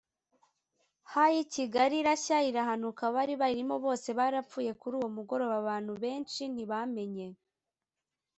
Ha y i kigali irashya irahanuka abari bayirimo bose barapfuye kuri uwo mugoroba abantu benshi ntibamenye